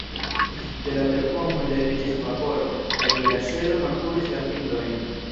De la terpomoj leviĝis vaporo, la nigra ŝelo makulis la fingrojn.